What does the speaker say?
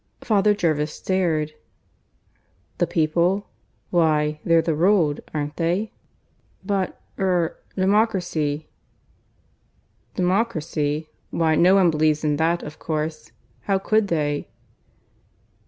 Father Jervis stared. "The people? Why, they're the ruled, aren't they?" "But er democracy " "Democracy? Why, no one believes in that, of course. How could they?"